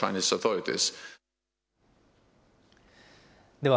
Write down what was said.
では、